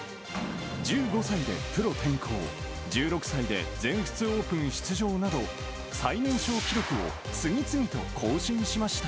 １５歳でプロ転向、１６歳で全仏オープン出場など、最年少記録を次々と更新しました。